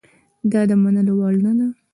دا د منلو وړ نه دي.